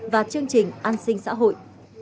và chương trình an sinh xã hội